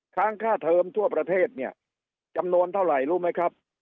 ค้างค่าเทอมทั่วประเทศเนี่ยจำนวนเท่าไหร่รู้ไหมครับ